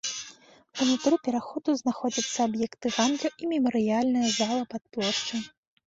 Унутры пераходу знаходзяцца аб'екты гандлю і мемарыяльная зала пад плошчай.